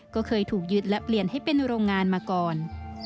ก็เคยถูกยึดและเปลี่ยนให้เป็นโรงงานมาก่อน